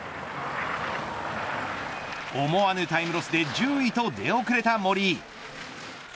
思わぬタイムロスで１０位と出遅れた森井。